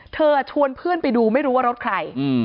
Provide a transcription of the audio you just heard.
ชวนเพื่อนไปดูไม่รู้ว่ารถใคร